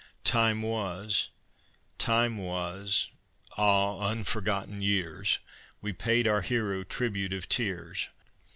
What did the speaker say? II Time was time was, ah, unforgotten years! We paid our hero tribute of our tears.